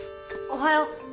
おはよう。